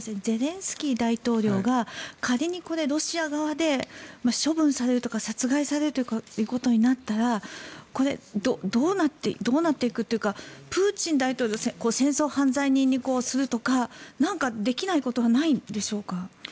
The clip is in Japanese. ゼレンスキー大統領が仮にこれ、ロシア側で処分されるとか殺害されるということになったらこれ、どうなっていくというかプーチン大統領を戦争犯罪人にするとかなんかできないことはないんでしょうか？